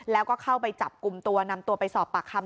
แล้วก็เข้าไปจับกลุ่มตัวนำตัวไปสอบปากคำ